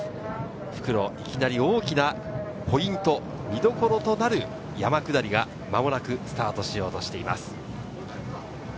復路、いきなり大きなポイント、見どころとなる山下りが間もなくスタートしようとしています。